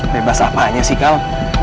bebas apaan nya sih kal